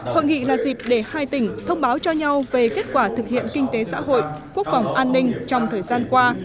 hội nghị là dịp để hai tỉnh thông báo cho nhau về kết quả thực hiện kinh tế xã hội quốc phòng an ninh trong thời gian qua